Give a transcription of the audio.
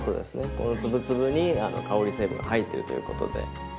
この粒々に香り成分が入ってるということで。